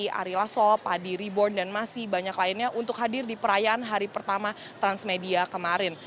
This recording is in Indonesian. di ari lasso padi reborn dan masih banyak lainnya untuk hadir di perayaan hari pertama transmedia kemarin